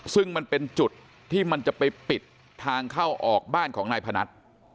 ซึ่งมันเป็นจุดที่มันจะไปปิดทางเข้าออกบ้านของนายพนัท